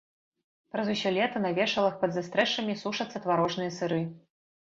Праз усё лета на вешалах пад застрэшшамі сушацца тварожныя сыры.